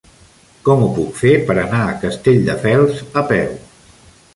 Com ho puc fer per anar a Castelldefels a peu?